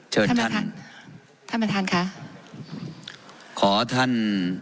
เชิญท่านท่านประธานค่ะขอท่าน